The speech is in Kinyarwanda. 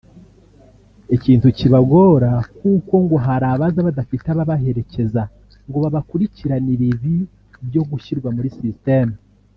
ikintu kibagora kuko ngo hari abaza badafite ababaherekeza ngo babakurikiranire ibi byo gushyirwa muri systeme